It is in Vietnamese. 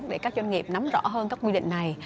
để các doanh nghiệp nắm rõ hơn các quy định này